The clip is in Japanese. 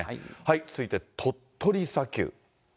続いて鳥取砂丘。